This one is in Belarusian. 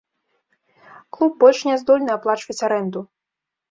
Клуб больш не здольны аплачваць арэнду.